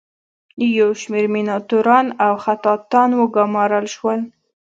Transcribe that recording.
یو شمیر میناتوران او خطاطان وګومارل شول.